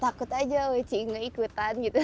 takut aja weci inge ikutan gitu